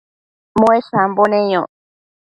muesambo neyoc